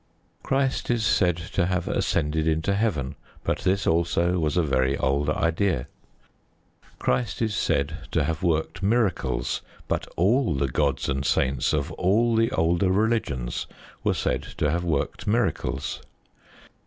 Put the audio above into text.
Christ is said to have ascended into Heaven. But this also was a very old idea. Christ is said to have worked miracles. But all the gods and saints of all the older religions were said to have worked miracles.